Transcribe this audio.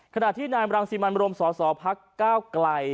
ขณะที่นายบรางซีมันบรมสศพกไกล่